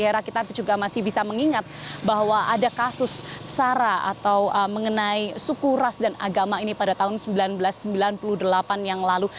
hera kita juga masih bisa mengingat bahwa ada kasus sara atau mengenai suku ras dan agama ini pada tahun seribu sembilan ratus sembilan puluh delapan yang lalu